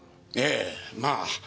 ええまあ。